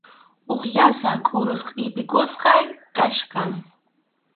Huk llasa kurus qʼipiykusqa kachkan.